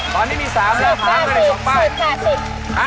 ตอนนี้มี๓แล้วหาเงินให้ในของป้าย